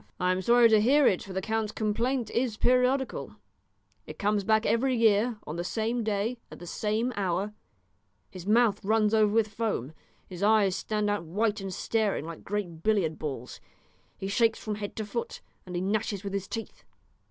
"I am sorry to hear it, for the count's complaint is periodical; it comes back every year, on the same day, at the same hour; his mouth runs over with foam, his eyes stand out white and staring, like great billiard balls; he shakes from head to foot, and he gnashes with his teeth."